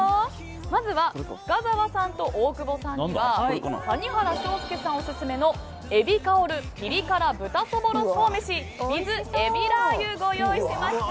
まずは深澤さんと大久保さんには谷原章介さんオススメの海老香るピリ辛豚そぼろとうめしｗｉｔｈ海老ラー油をご用意しました。